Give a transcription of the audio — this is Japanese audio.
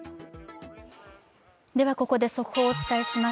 ここで速報をお伝えします。